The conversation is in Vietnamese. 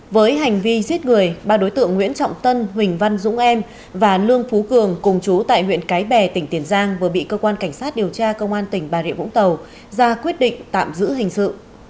với hành vi giết người ba đối tượng nguyễn trọng tân huỳnh văn dũng em và lương phú cường cùng chú tại huyện cái bè tỉnh tiền giang vừa bị cơ quan cảnh sát điều tra công an tỉnh bà rịa vũng tàu ra quyết định tạm giữ hình sự